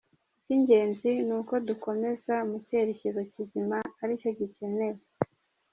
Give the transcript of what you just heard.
Icy’ingenzi ni uko dukomeza mu cyerekezo kizima ari cyo gikenewe.